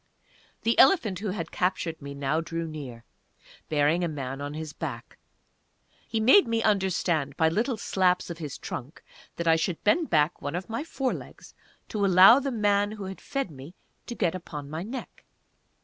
The elephant who had captured me now drew near, bearing a man on his back; he made me understand by little slaps of his trunk that I should bend back one of my fore legs to allow the man who had fed me to get upon my neck.